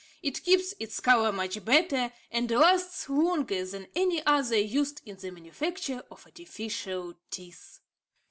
It keeps its colour much better, and lasts longer than any other used in the manufacture of artificial teeth.